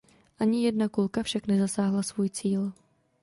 Ani jedna kulka však nezasáhla svůj cíl.